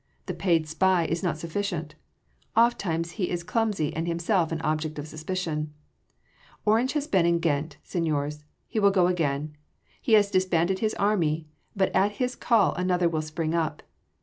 The paid spy is not sufficient oft times he is clumsy and himself an object of suspicion. Orange has been in Ghent, seigniors; he will go again! He has disbanded his army, but at his call another will spring up